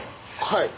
はい。